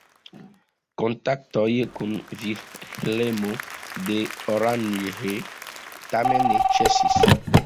Kontaktoj kun Vilhelmo de Oranje tamen ne ĉesis.